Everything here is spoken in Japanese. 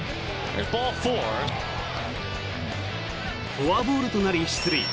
フォアボールとなり出塁。